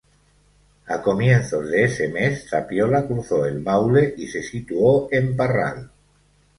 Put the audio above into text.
A comienzos de ese mes Zapiola cruzó el Maule y se situó en Parral.